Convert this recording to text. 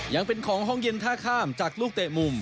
ยังเป็นของห้องเย็นท่าข้ามจากลูกเตะมุม